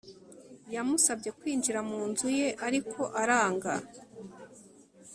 Yamusabye kwinjira mu nzu ye ariko aranga